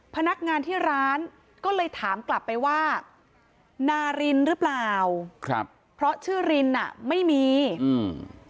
พนักงานที่ร้านก็เลยถามกลับไปว่านารินหรือเปล่าครับเพราะชื่อรินอ่ะไม่มีอืม